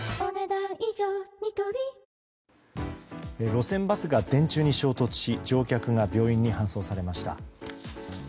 路線バスが電柱に衝突し乗客が病院に搬送されました。